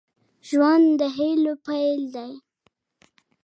ژوند د هيلو پيل دی.